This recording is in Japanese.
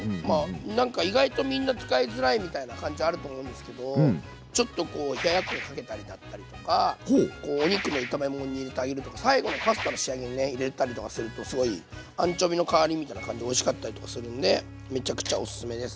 なんか意外とみんな使いづらいみたいな感じあると思うんですけどちょっとこうお肉の最後のパスタの仕上げに入れたりとかするとすごいアンチョビの代わりみたいな感じでおいしかったりとかするんでめちゃくちゃおすすめです。